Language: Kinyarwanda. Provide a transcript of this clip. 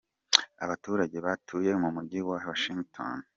Abaturage batuye umujyi wa Washington D.